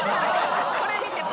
これ見ても？